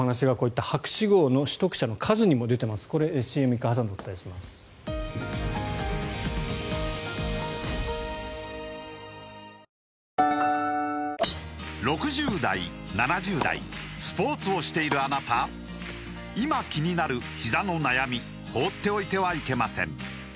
１０年後、３０年後に投資をする６０代７０代スポーツをしているあなた今気になるひざの悩み放っておいてはいけません